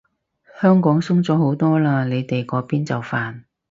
香港鬆咗好多嘞，你哋嗰邊就煩